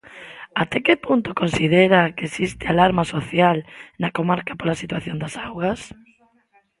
Até que punto considera que existe alarma social na comarca pola situación das augas?